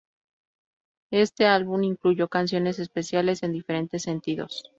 Este álbum incluyó canciones especiales en diferentes sentidos.